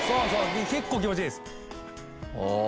結構気持ちいいです。